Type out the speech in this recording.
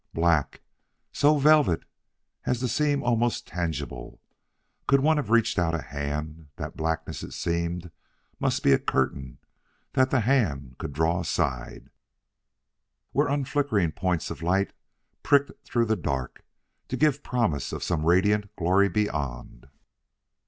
Black! so velvet as to seem almost tangible! Could one have reached out a hand, that blackness, it seemed, must be a curtain that the hand could draw aside, where unflickering points of light pricked through the dark to give promise of some radiant glory beyond.